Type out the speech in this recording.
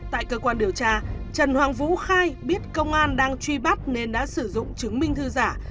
tại cơ quan điều tra trần hoàng vũ khai biết công an đang truy bắt nên đã sử dụng chứng minh thư giả